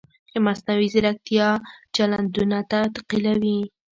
د مصنوعي ځیرکتیا چلندونه تقلیدوي.